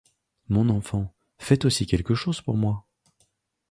Mon enfant, fais aussi quelque chose pour moi.